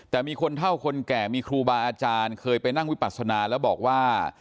แต่มีคนเท่าคนแก่มีครูบาอาจารย์เคยไปนั่งวิปัสนาแล้วบอกว่า